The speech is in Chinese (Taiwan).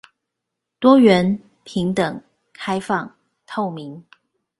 多元、平等、開放、透明